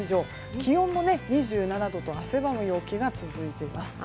気温も２７度と汗ばむ陽気が続いています。